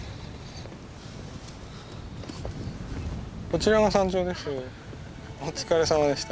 こちらが山頂です。